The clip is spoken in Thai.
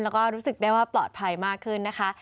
แล้วก็รู้สึกได้ว่าปลอดภัยมากขึ้นนะคะ